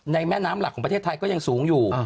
แม่น้ำหลักของประเทศไทยก็ยังสูงอยู่